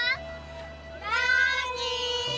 なに？